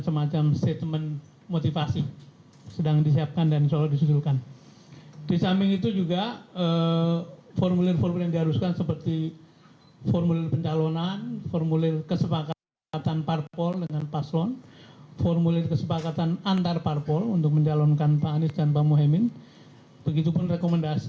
kemudian tanda bukti penyampaian